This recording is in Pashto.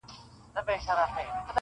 په ارمان یې د نارنج او د انار یم -